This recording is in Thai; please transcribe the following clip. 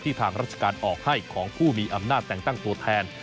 ทางราชการออกให้ของผู้มีอำนาจแต่งตั้งตัวแทน